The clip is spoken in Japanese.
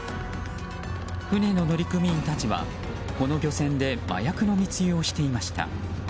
船の乗組員たちはこの漁船で麻薬の密輸をしていました。